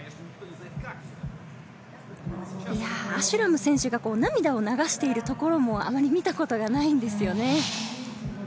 アシュラム選手が涙を流しているところもあまり見たことがないんですよね。